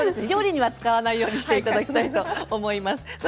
料理には使わないようにしていただきたいと思います。